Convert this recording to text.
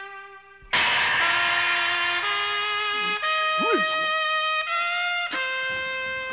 上様！？